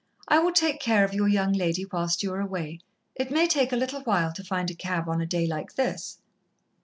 I will take care of your young lady whilst you are away. It may take a little while to find a cab on a day like this."